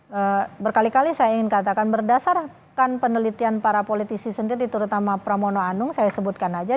jadi berkali kali saya ingin katakan berdasarkan penelitian para politisi sendiri terutama pramono anung saya sebutkan saja